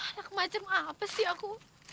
anak macam apa sih aku